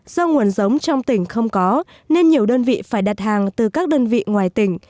do nguồn giống trong tỉnh không có nên nhiều đơn vị phải đặt hàng từ các đơn vị ngoài tỉnh